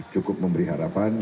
cukup memberi harapan